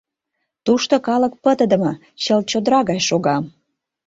Тушто калык пытыдыме, чылт чодыра гай шога.